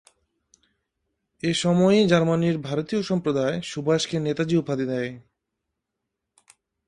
এ সময়ই জার্মানির ভারতীয় সম্প্রদায় সুভাষকে ‘নেতাজী’ উপাধি দেয়।